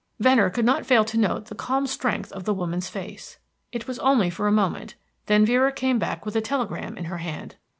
Venner could not fail to note the calm strength of the woman's face. It was only for a moment; then Vera came back with a telegram in her hand.